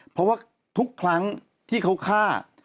เพราะว่าทุกครั้งที่เขาฆ่า